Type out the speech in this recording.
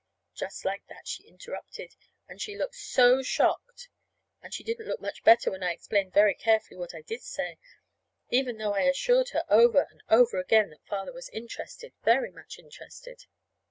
Just like that she interrupted, and she looked so shocked. And she didn't look much better when I explained very carefully what I did say, even though I assured her over and over again that Father was interested, very much interested.